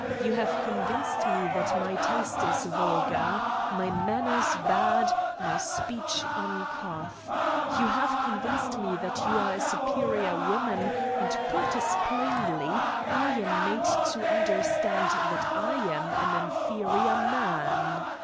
You have convinced me that my taste is vulgar; my manners bad; my speech uncouth. You have convinced me that you are a superior woman, and quite as plainly, I am made to understand that I am an inferior man.